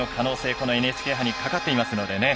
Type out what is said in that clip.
このＮＨＫ杯にかかっていますのでね。